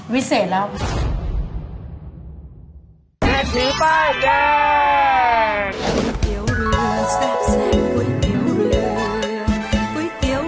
วิเศษแล้ว